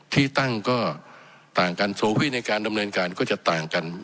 ที่ตั้งก็ต่างกันโซวีในการดำเนินการก็จะต่างกัน